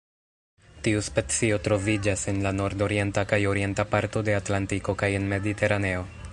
Tiu specio troviĝas en la nordorienta kaj orienta parto de Atlantiko kaj en Mediteraneo.